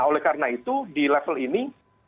oleh karena itu di level ini